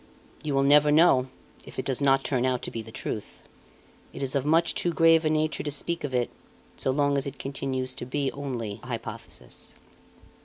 "You will never know if it does not turn out to be the truth. It is of much too grave a nature to speak of it, so long as it continues to be only a hypothesis."